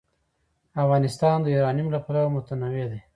افغانستان د یورانیم له پلوه متنوع دی.